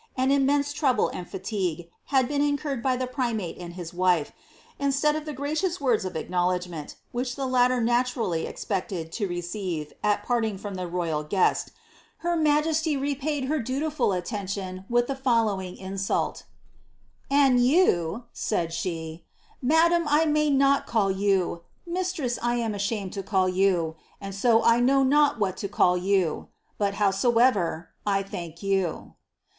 and ininierise iniuble and ftiigtm, had been iucurreU by Lite priniaie and his wife — initesd of the grwcioat words of Bcknowledfrnent, which the latter naturally expected lo tceeivt at parting Troni the royal guest, her majeiiy repaid her dutiful aiif^iiiion with the ftilluwing iniuli: — ■■And you," said »he, " madam [ may noi call you, misiresa I am ashamed to call you, aiid so i know not wliai k cail you ; but, howaocvur, I thank you.